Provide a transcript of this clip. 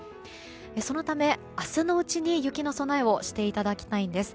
そのため、明日のうちに雪の備えをしていただきたいんです。